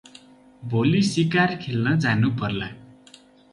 भोलि सिकार खेल्न जानुपर्ला ।”